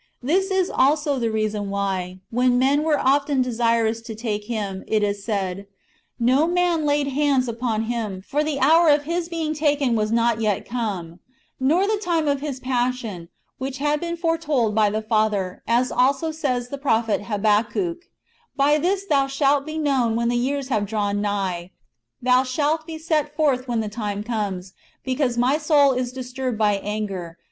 This is also the reason why, when men were often desirous to take Him, it is said, " No man laid hands upon Him, for the hour of His being taken was not yet come;"* nor the time of His passion, which had been foreknown by the Father ; as also says the prophet Habakkuk, " By this Thou slialt be known when the years have drawn nigh ; Thou shalt be set forth when the time comes ; because my soul is disturbed by anger, Thou shalt 1 Eph.